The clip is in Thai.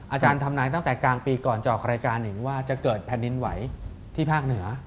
อาจารย์ทำนายตั้งแต่กลางปีก่อนจะออกรายการหนิงว่าจะเกิดแผ่นดินไหวที่ภาคเหนือ